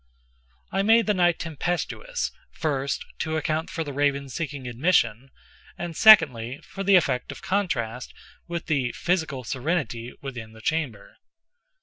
I made the night tempestuous, first, to account for the Raven's seeking admission, and secondly, for the effect of contrast with the (physical) serenity within the chamber.